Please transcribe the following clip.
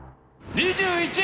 ２１位！？